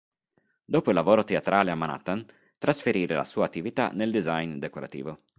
Dopo il lavoro teatrale a Manhattan, trasferì la sua attività nel design decorativo.